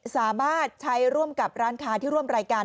สามารถใช้ร่วมกับร้านค้าที่ร่วมรายการ